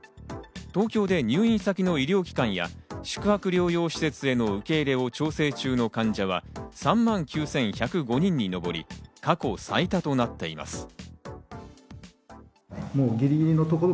東京で入院先の医療機関や宿泊療養施設への受け入れを調整中の患者は３万９１０５人に上り、過去最多となっています。